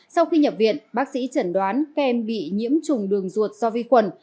sau khi nhập viện bác sĩ chẩn đoán kem bị nhiễm trùng đường ruột do vi khuẩn